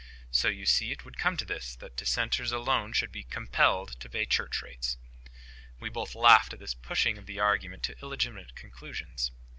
So you see it would come to this, that Dissenters alone should be COMPELLED to pay church rates." We both laughed at this pushing of the argument to illegitimate conclusions.